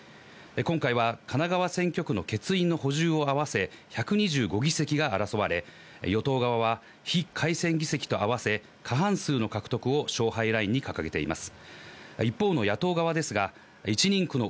今回は神奈川選挙区の欠員の補充を合わせ１２５議席が争われ、与党側は非改選議席と合わせ過半数の獲得を勝敗ラインに掲げています。